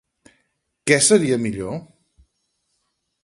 Què seria millor?